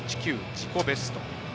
自己ベスト。